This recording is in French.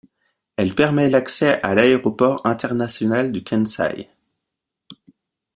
Elle permet l'accès à l'aéroport international du Kansai.